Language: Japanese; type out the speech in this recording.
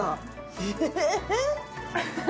えっ！